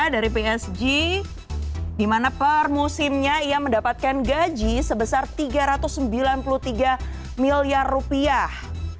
dari psg di mana per musimnya ia mendapatkan gaji sebesar tiga ratus sembilan puluh tiga miliar rupiah